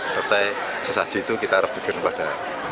selesai sesaji itu kita rebutkan kepada